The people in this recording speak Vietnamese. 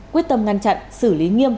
quyết tâm ngăn chặn xử lý nghiêm